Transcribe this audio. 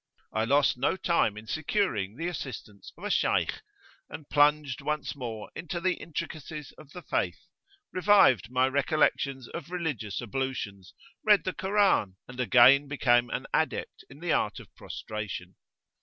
I lost no time in securing the assistance of a Shaykh,[FN#17] and plunged once more into the intricacies of the Faith; revived my recollections of religious ablutions, read the Koran, and again became an adept in the art of prostration.